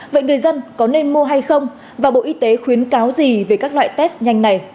vậy người dân có nên mua hay không và bộ y tế khuyến cáo gì về các loại test nhanh này